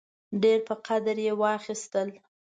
ډېر په قدر یې واخیستل.